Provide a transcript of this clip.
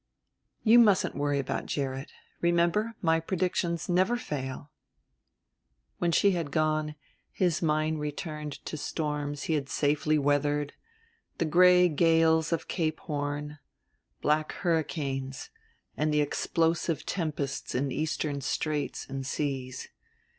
"You mustn't worry about Gerrit. Remember, my predictions never fail." When she had gone his mind returned to storms he had safely weathered the gray gales of Cape Horn, black hurricanes and the explosive tempests in eastern straits and seas.